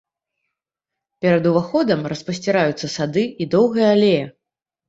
Перад уваходам распасціраюцца сады і доўгая алея.